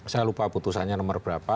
saya lupa putusannya nomor berapa